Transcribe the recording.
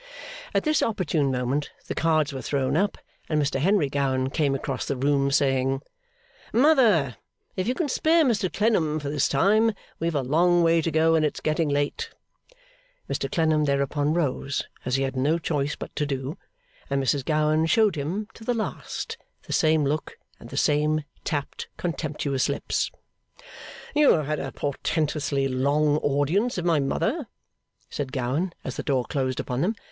At this opportune moment, the cards were thrown up, and Mr Henry Gowan came across the room saying, 'Mother, if you can spare Mr Clennam for this time, we have a long way to go, and it's getting late.' Mr Clennam thereupon rose, as he had no choice but to do; and Mrs Gowan showed him, to the last, the same look and the same tapped contemptuous lips. 'You have had a portentously long audience of my mother,' said Gowan, as the door closed upon them.